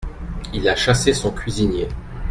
Il a chassé son cuisinier.